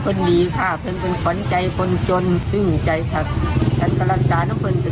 เป็นเป็นสวรรค์ใจคนจนสิ่งใจทักฉันก็รักตาแล้วคุณจะ